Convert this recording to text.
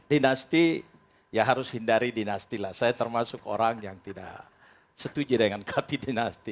dinasti ya harus hindari dinasti lah saya termasuk orang yang tidak setuju dengan kati dinasti